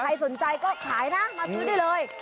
ใครสนใจก็ขายนะมาซื้อได้เลย